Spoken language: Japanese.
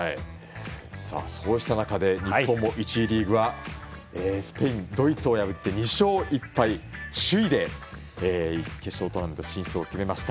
そうした中で日本の１次リーグはスペイン、ドイツを破って２勝１敗の首位で決勝トーナメント進出を決めました。